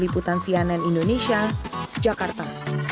liputan sianen indonesia jakarta